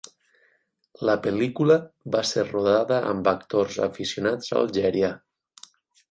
La pel·lícula va ser rodada amb actors aficionats a Algèria.